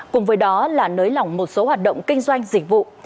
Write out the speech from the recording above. cùng với đó là nới lỏng một số hoạt động kinh doanh dịch vụ